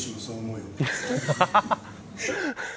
ハハハハ。